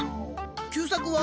久作は？